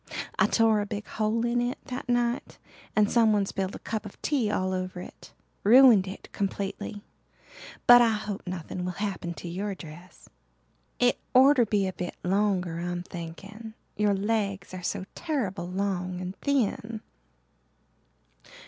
I tore a big hole in it that night and someone spilled a cup of tea all over it. Ruined it completely. But I hope nothing will happen to your dress. It orter to be a bit longer I'm thinking your legs are so terrible long and thin."